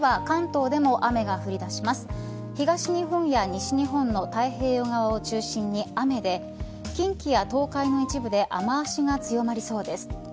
東日本や西日本の太平洋側を中心に雨で近畿や東海の一部で雨脚が強まりそうです。